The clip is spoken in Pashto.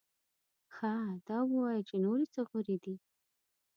ښه دا ووایه چې نورې څه غورې دې؟